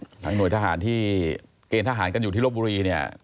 ทางหน่วยทหารที่เกณฑ์ทหารกันอยู่ที่รบบุรี